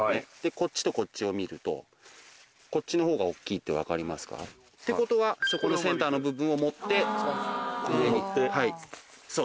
こっちとこっちを見るとこっちの方が大っきいって分かりますか？ってことはそこのセンターの部分を持って上にはいそうです。